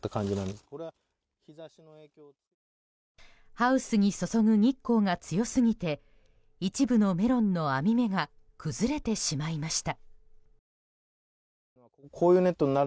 ハウスに注ぐ日光が強すぎて一部のメロンの網目が崩れてしまいました。